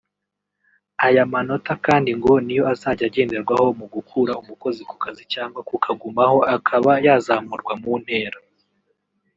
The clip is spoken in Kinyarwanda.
Ayo manota kandi ngo niyo azajya agenderwaho mu gukura umukozi ku kazi cyangwa kukagumaho akaba yazamurwa mu ntera